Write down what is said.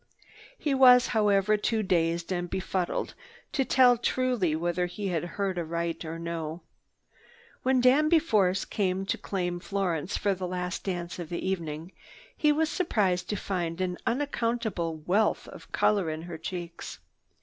He was, however, too dazed and befuddled to tell truly whether he had heard aright or no. When Danby Force came to claim Florence for the last dance of the evening, he was surprised to find an unaccustomed wealth of color in her cheeks.